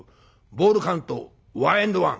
ボールカウントワンエンドワン。